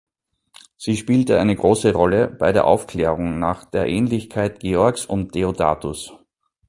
Sie spielt eine große Rolle bei der Aufklärung nach der Ähnlichkeit Georgs und Deodatus‘.